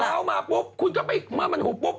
เช้ามาปุ๊บคุณก็ไปเมื่อมันหูปุ๊บ